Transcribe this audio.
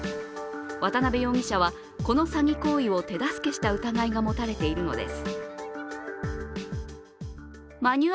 渡邊容疑者は、この詐欺行為を手助けした疑いが持たれているのです。